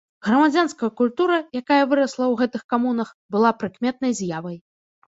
Грамадзянская культура, якая вырасла ў гэтых камунах была прыкметнай з'явай.